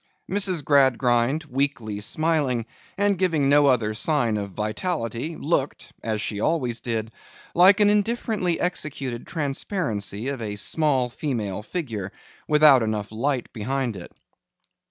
Mrs. Gradgrind, weakly smiling, and giving no other sign of vitality, looked (as she always did) like an indifferently executed transparency of a small female figure, without enough light behind it.